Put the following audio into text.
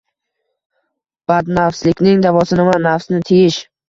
Badnafslikning davosi nima? – Nafsni tiyish.